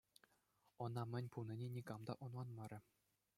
Ӑна мӗн пулнине никам та ӑнланмарӗ.